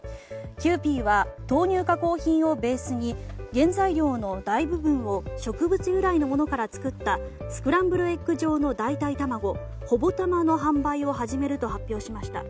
キユーピーは豆乳加工品をベースに原材料の大部分を植物由来のものから作ったスクランブルエッグ状の代替卵、ＨＯＢＯＴＡＭＡの販売を始めると発表しました。